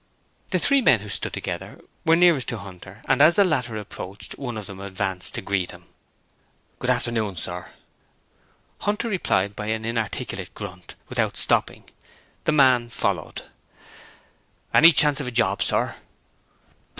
The three men who stood together were nearest to Hunter and as the latter approached, one of them advanced to meet him. 'Good afternoon, sir.' Hunter replied by an inarticulate grunt, without stopping; the man followed. 'Any chance of a job, sir?'